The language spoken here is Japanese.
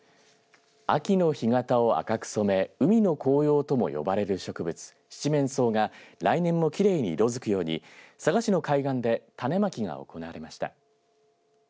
秋の干潟を赤く染め海の紅葉とも呼ばれる植物シチメンソウが来年もきれいに色づくように佐賀市の海岸で種まきが行われました。